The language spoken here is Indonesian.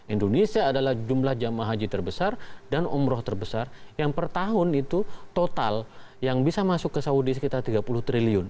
indonesia adalah jumlah jamaah haji terbesar dan umroh terbesar yang per tahun itu total yang bisa masuk ke saudi sekitar tiga puluh triliun